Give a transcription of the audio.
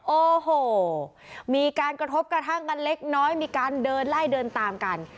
โอ้โหมีการกระทบกระทั่งกันเล็กน้อยมีการเดินไล่เดินตามกัน